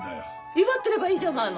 威張ってればいいじゃないの。